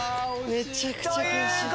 めちゃくちゃ悔しい。